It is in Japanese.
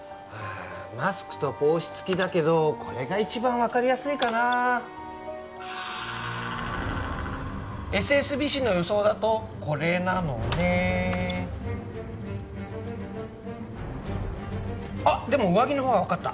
マスクと帽子付きだけどこれが一番分かりやすいかなＳＳＢＣの予想だとこれなのねーあっでも上着の方は分かった